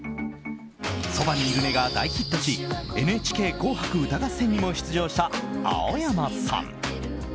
「そばにいるね」が大ヒットし「ＮＨＫ紅白歌合戦」にも出場した青山さん。